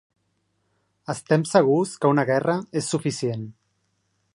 Estem segurs que una guerra és suficient.